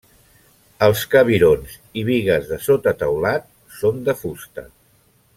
Els cabirons i bigues de sota teulat són de fusta.